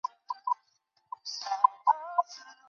欧亚萍蓬草是睡莲科萍蓬草属的植物。